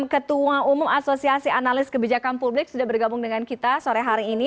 ketua umum asosiasi analis kebijakan publik sudah bergabung dengan kita sore hari ini